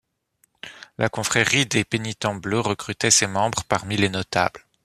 La confrérie des Pénitents bleus recrutait ses membres parmi les notables.